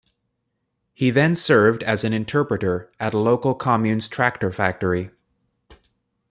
He then served as an interpreter at a local commune's tractor factory.